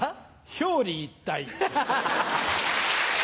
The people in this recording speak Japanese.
表裏一体。